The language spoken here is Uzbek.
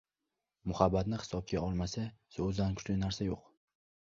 • Muhabbatni hisobga olmasa, so‘zdan kuchli narsa yo‘q.